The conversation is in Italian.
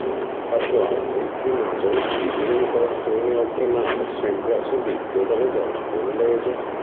Quattro altri rimasero uccisi in operazioni oltremare, sempre al servizio dell'esercito inglese.